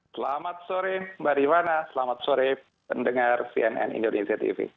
selamat sore mbak rifana selamat sore pendengar cnn indonesia tv